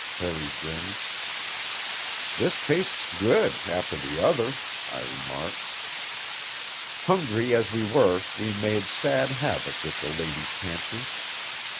Harry grinned. "This tastes good, after the other," I remarked. Hungry as we were, we made sad havoc with the lady's pantry.